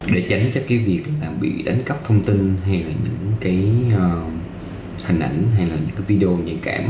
để tránh cho cái việc là bị đánh cắp thông tin hay là những cái hình ảnh hay là những cái video nhạy cảm